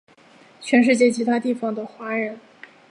全世界其他地方的华人